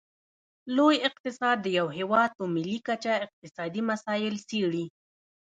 لوی اقتصاد د یو هیواد په ملي کچه اقتصادي مسایل څیړي